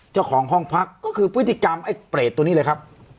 เจ้าของห้องพักก็คือพฤติกรรมไอ้เปรตตัวนี้เลยครับ